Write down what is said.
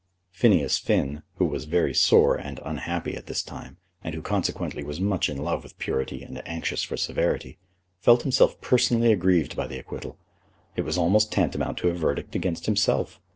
Phineas Finn, who was very sore and unhappy at this time, and who consequently was much in love with purity and anxious for severity, felt himself personally aggrieved by the acquittal. It was almost tantamount to a verdict against himself.